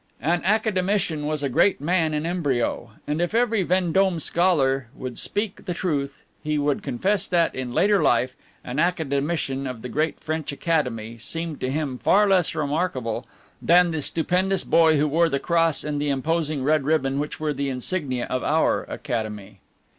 An Academician was a great man in embryo. And if every Vendome scholar would speak the truth, he would confess that, in later life, an Academician of the great French Academy seemed to him far less remarkable than the stupendous boy who wore the cross and the imposing red ribbon which were the insignia of our "Academy."